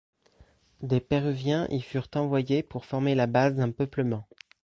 Des Péruviens y furent envoyés pour former la base d'un peuplement.